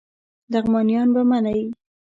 لغمانیان به منی